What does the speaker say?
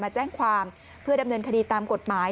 แจ้งความเพื่อดำเนินคดีตามกฎหมาย